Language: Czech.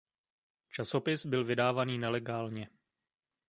Časopis byl vydávaný nelegálně.